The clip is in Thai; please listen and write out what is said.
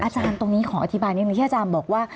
อาจารย์ตรงนี้ขออธิบายนิดนึงที่อาจารย์บอกว่า